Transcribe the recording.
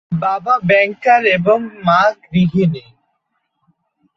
বাবা ব্যাংকার এবং মা গৃহিণী।